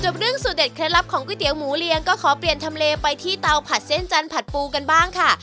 เรื่องสูตรเด็ดเคล็ดลับของก๋วยเตี๋ยวหมูเลี้ยงก็ขอเปลี่ยนทำเลไปที่เตาผัดเส้นจันทร์ผัดปูกันบ้างค่ะ